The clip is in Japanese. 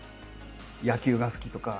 野球が好きとか。